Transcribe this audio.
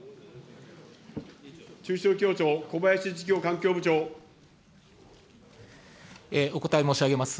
中小企業庁、小林事業環境部長。お答え申し上げます。